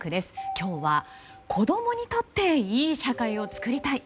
今日は子供にとっていい社会を作りたい。